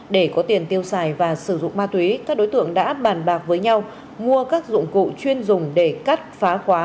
để có tiền tiêu xài và sử dụng ma túy các đối tượng đã bàn bạc với nhau mua các dụng cụ chuyên dùng để cắt phá khóa